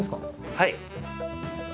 はい。